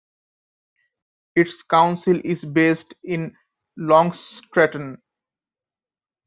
Its council is based in Long Stratton.